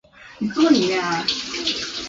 坎伯兰县是美国田纳西州东部的一个县。